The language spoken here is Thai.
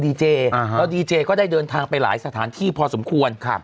แล้วดีเจก็ได้เดินทางไปหลายสถานที่พอสมควรครับ